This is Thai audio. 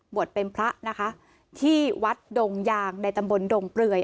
เป็นพระนะคะที่วัดดงยางในตำบลดงเปลือย